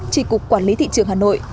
trị cục quản lý thị trường hà nội